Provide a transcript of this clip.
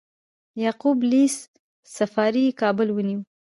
یعقوب لیث صفاري کابل ونیو